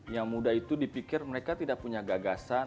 yang muda itu dipikir mereka tidak punya gagasan